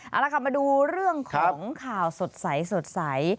เอาละค่ะมาดูเรื่องของข่าวสดใส